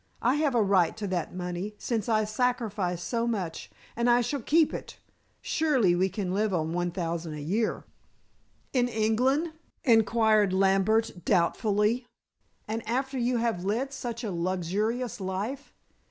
I have a right to that money, since I sacrificed so much, and I shall keep it. Surely we can live on one thousand a year." "In England?" inquired Lambert doubtfully. "And after you have led such a luxurious life?"